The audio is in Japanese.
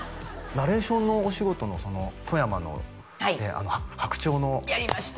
ナレーションのお仕事のその富山のあの白鳥のやりました